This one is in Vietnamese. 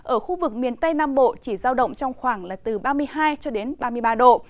ở khu vực miền tây nam bộ chỉ giao động trong khoảng là từ ba mươi hai cho đến ba mươi ba độ